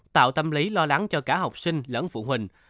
tạo tâm lý lo lắng cho cả học sinh lẫn phụ huynh